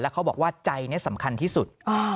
เขาบอกว่าใจนี้สำคัญที่สุด